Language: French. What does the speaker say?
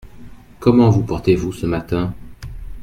Comment vous portez-vous, ce matin ?…